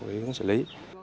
để xử lý